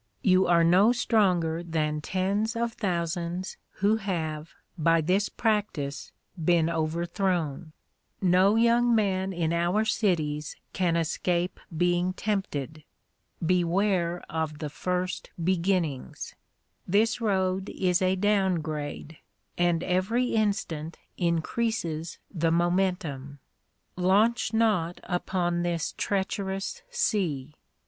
You are no stronger than tens of thousands who have, by this practice, been overthrown. No young man in our cities can escape being tempted. Beware of the first beginnings! This road is a down grade, and every instant increases the momentum. Launch not upon this treacherous sea.